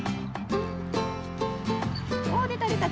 おでたでた。